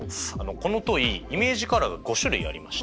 このトイイメージカラーが５種類ありまして。